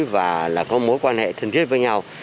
và là có mối quan hệ thân thiết với nhau